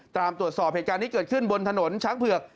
ตรวจสอบเหตุการณ์ที่เกิดขึ้นบนถนนช้างเผือก